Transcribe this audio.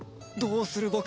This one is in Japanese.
どうする？